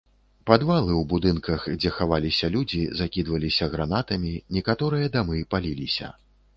Падвалы ў будынках, дзе хаваліся людзі закідваліся гранатамі, некаторыя дамы паліліся.